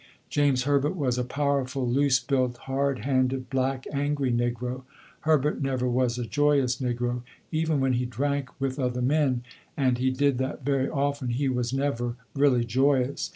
James Herbert was a powerful, loose built, hard handed, black, angry negro. Herbert never was a joyous negro. Even when he drank with other men, and he did that very, often, he was never really joyous.